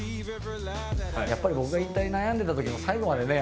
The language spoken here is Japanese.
やっぱり僕が引退悩んでた時も最後までね